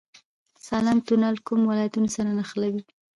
د سالنګ تونل کوم ولایتونه سره نښلوي؟